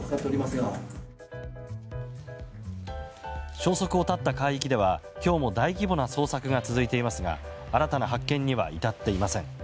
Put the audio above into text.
消息を絶った海域では今日も大規模な捜索が続いていますが新たな発見には至っていません。